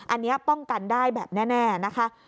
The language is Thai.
อันนี้ป้องกันได้แบบแน่นะคะ